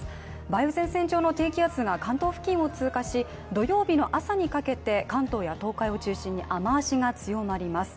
梅雨前線上の低気圧が関東付近を通過し、土曜日の朝にかけて関東や東海を中心に雨足が強まります。